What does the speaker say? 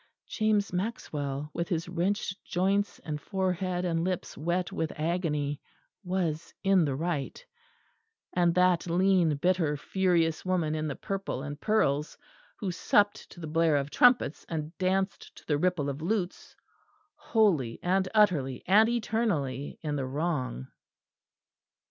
James Maxwell with his wrenched joints and forehead and lips wet with agony, was in the right; and that lean bitter furious woman in the purple and pearls, who supped to the blare of trumpets, and danced to the ripple of lutes, wholly and utterly and eternally in the wrong.